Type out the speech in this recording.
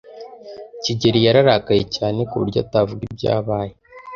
kigeli yararakaye cyane ku buryo atavuga ibyabaye.